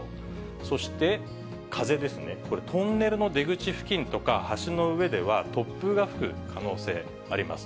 そして、風ですね、これ、トンネルの出口付近とか、橋の上では突風が吹く可能性あります。